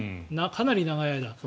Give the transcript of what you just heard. かなり長い間。